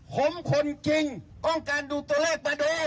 ผมคนจริงต้องการดูตัวเลขมาด้วย